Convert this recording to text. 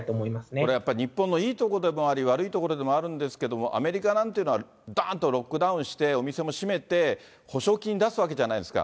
これはやっぱり、日本のいい所でもあり、悪いところでもあるんですけれども、アメリカなんていうのは、だーんとロックダウンしてお店も閉めて、補償金出すわけじゃないですか。